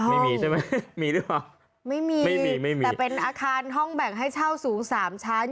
ไม่มีใช่ไหมมีหรือเปล่าไม่มีไม่มีแต่เป็นอาคารห้องแบ่งให้เช่าสูงสามชั้น